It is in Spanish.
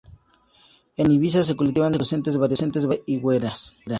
En Ibiza se cultivan docenas de variedades de higueras.